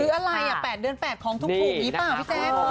ซื้ออะไรอ่ะ๘เดือน๘ของทุ่มภูมิป่ะพี่แจ๊ก